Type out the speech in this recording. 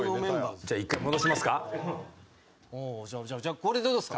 じゃあこれどうですか？